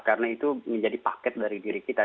karena itu menjadi paket dari diri kita